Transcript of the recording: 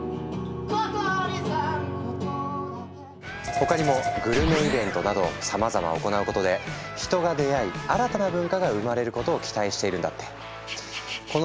他にもグルメイベントなどさまざま行うことで人が出会い新たな文化が生まれることを期待しているんだって。